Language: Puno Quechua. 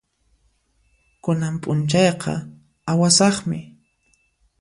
Kunan p'unchayqa awasaqmi.